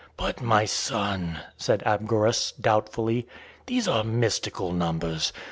'" "But, my son," said Abgarus, doubtfully, "these are mystical numbers.